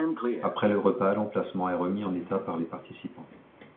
Après le repas, l'emplacement est remis en état par les participants.